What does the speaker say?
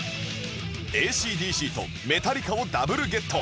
ＡＣ／ＤＣ とメタリカをダブルゲット！